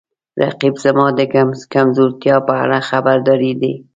رقیب زما د کمزورتیاو په اړه خبرداری دی